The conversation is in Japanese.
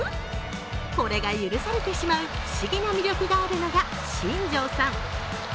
これが許されてしまう不思議な魅力があるのが新庄さん。